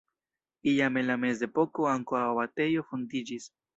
Iam en la mezepoko ankaŭ abatejo fondiĝis.